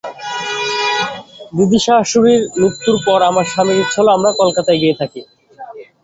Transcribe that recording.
দিদিশাশুড়ির মৃত্যুর পর আমার স্বামীর ইচ্ছা হল আমরা কলকাতায় গিয়ে থাকি।